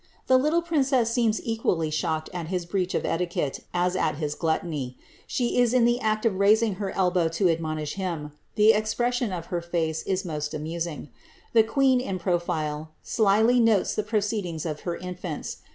The little princess seems equally shocked at his bn»ach of ciiiiueite as at liis ghittony. Slie is in the act of raising her flbow to admonish hini : the expression of her face is most amusing. 1*lie queen, in profdr, slily notes the proceedings of her infants.